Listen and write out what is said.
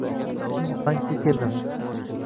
M: Men bankka keldim